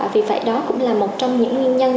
vì vậy đó cũng là một trong những nguyên nhân